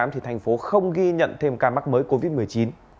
thành phố không ghi nhận thêm ca mắc mới covid một mươi chín